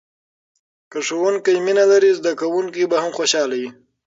که ښوونکی مینه لري، زده کوونکی به هم خوشحاله وي.